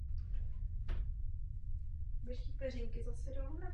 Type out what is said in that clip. Společně stáli za projektem "Venus" ve městě Venus na Floridě.